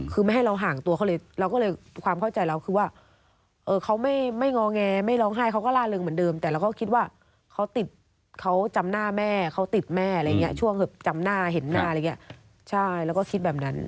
คือไม่ให้เราห่างตัวเขาเลยเราก็เลยความเข้าใจเราคือว่าเขาไม่งอแงไม่ร้องไห้เขาก็ล่าเริงเหมือนเดิมแต่เราก็คิดว่าเขาติดเขาจำหน้าแม่เขาติดแม่อะไรอย่างนี้ช่วงจำหน้าเห็นหน้าอะไรอย่างนี้ใช่เราก็คิดแบบนั้น